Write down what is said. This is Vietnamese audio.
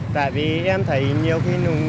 tại vì em thấy nhiều khi